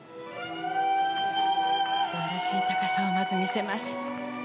素晴らしい高さをまず、見せます。